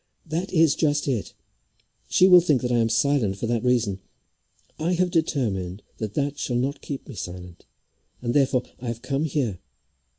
"That is just it. She will think that I am silent for that reason. I have determined that that shall not keep me silent, and, therefore, I have come here.